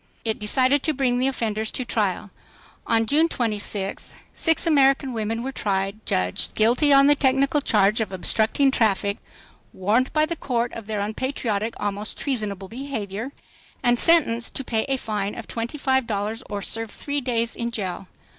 It decided to bring the offenders to trial. On June 26, six American women were tried, judged guilty on the technical charge of "obstructing the traffic," warned by the court of their "unpatriotic, almost treasonable behavior," and sentenced to pay a fine of twenty five dollars or serve three days in jail.